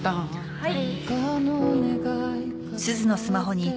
はい。